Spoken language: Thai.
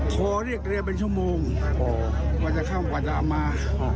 ขอเรียกเรือเป็นชั่วโมงกว่าจะค่ำกว่าจะเอามา